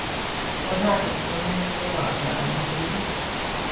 What happened to him will not happen to me.